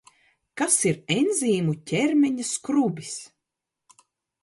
Kas ir enzīmu ķermeņa skrubis?